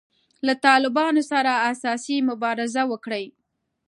له طالبانو سره اساسي مبارزه وکړي.